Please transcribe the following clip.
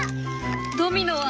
ドミノは？